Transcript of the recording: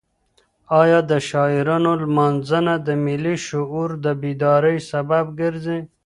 ایا د شاعرانو لمانځنه د ملي شعور د بیدارۍ سبب ګرځي؟